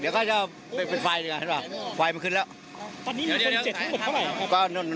เดี๋ยวก็จะเป็นเป็นไฟดีกว่าใช่ปะไฟมันขึ้นแล้วตอนนี้มีคนเจ็บทั้งหมดเท่าไหร่ครับ